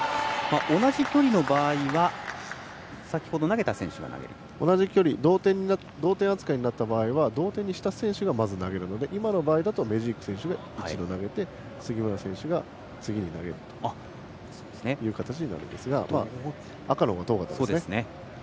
同じ距離の場合は同じ距離同点扱いになった場合は同点にした選手がまず投げるので今の場合だとメジーク選手が投げて杉村選手が次に投げるという形になるんですが赤のほうが遠かったですね。